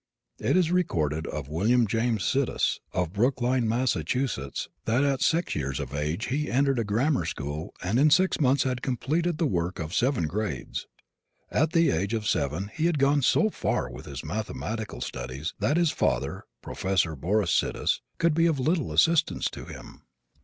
It is recorded of William James Sidis, of Brookline, Massachusetts, that at six years of age he entered a grammar school and in six months had completed the work of seven grades. At the age of seven he had gone so far with his mathematical studies that his father, Professor Boris Sidis, could be of little assistance to him.